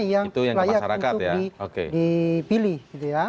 yang mana yang layak untuk dipilih gitu ya